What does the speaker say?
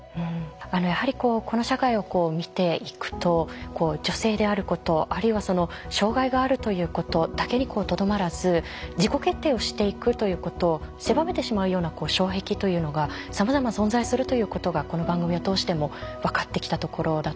やはりこの社会を見ていくと女性であることあるいは障害があるということだけにとどまらず自己決定をしていくということを狭めてしまうような障壁というのがさまざま存在するということがこの番組を通しても分かってきたところだと思うんですよね。